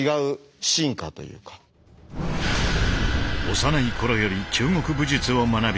幼い頃より中国武術を学び